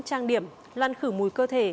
trang điểm lăn khử mùi cơ thể